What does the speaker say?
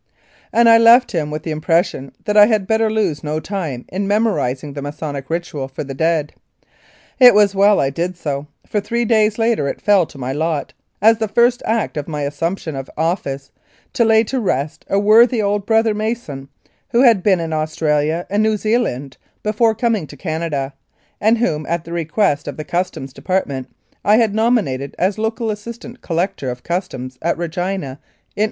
" and I left him with the impression that I had better lose no time in memorising the Masonic ritual for the dead. It was well I did so, for three days later it fell to my lot, as the first act of my assumption of office, to lay to rest a worthy old brother Mason, who had been in Australia and New Zealand before coming to Canada, and whom, at the request of the Customs Department, I had nominated as local assistant collector of Customs at Regina in 1885.